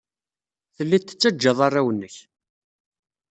Telliḍ tettajjaḍ arraw-nnek.